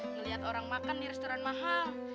ngelihat orang makan di restoran mahal